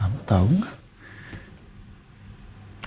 kamu tau gak